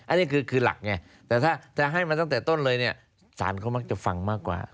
อันนี้คือหลักไงแต่ถ้าจะให้มาตั้งแต่ต้นเลยเนี่ยสารเขามักจะฟังมากกว่า